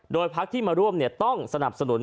โดยพักที่มาร่วมต้องสนับสนุน